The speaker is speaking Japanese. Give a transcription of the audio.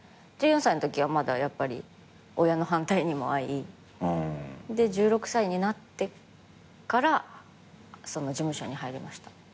１４歳のときはまだやっぱり親の反対にも遭い１６歳になってから事務所に入りました。